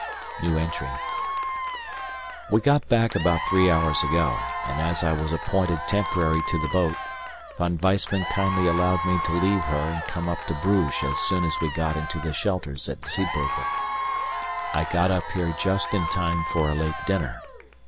We got back about three hours ago, and as I was appointed temporary to the boat, Von Weissman kindly allowed me to leave her and come up to Bruges as soon as we got into the shelters at Zeebrugge. I got up here just, in time for a late dinner.